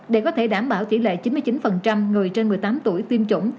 để có thể đảm bảo tỷ lệ chín mươi chín người trên một mươi tám tuổi tiêm chủng